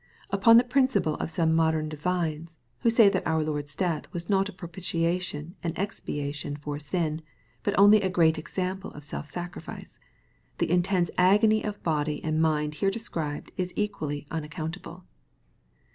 — Upon the principle of some modem divines, who say that our Lord's death was not a propitiation and expiation for sin, but only a great example of self sacrifice, the intense agony of body and mind here described is equally imaccountable.